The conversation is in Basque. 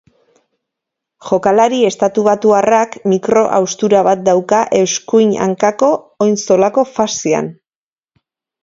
Jokalari estatubatuarrak mikro-haustura bat dauka eskuin hankako oin-zolako faszian.